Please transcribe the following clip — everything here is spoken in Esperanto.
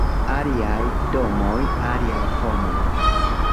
Aliaj domoj, aliaj homoj.